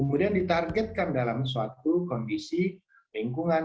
kemudian ditargetkan dalam suatu kondisi lingkungan